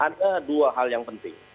ada dua hal yang penting